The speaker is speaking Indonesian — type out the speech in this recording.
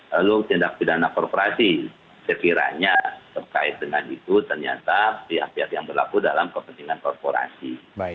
lalu tindak pidana korporasi sekiranya terkait dengan itu ternyata pihak pihak yang berlaku dalam kepentingan korporasi